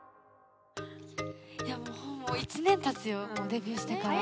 もう１年たつよデビューしてから。